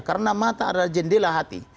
karena mata adalah jendela hati